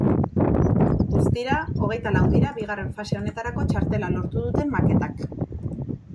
Guztira, hogeita lau dira bigarren fase honetarako txartela lortu duten maketak.